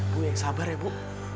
gue yang sabar ya bu